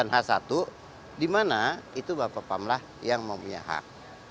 h satu di mana itu bapak pamlah yang mempunyai hak